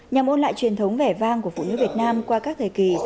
nhằm ôn lại truyền thống vẻ vang của phụ nữ việt nam qua các thời kỳ